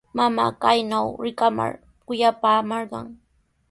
Mamaa kaynaw rikamar kuyapaamarqan.